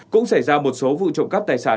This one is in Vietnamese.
cũng xảy ra một số vụ trộm cắp tài sản